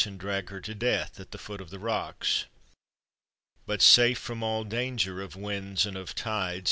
And drag her to death at the foot of the rocks. " But safe from all danger of winds and of tides.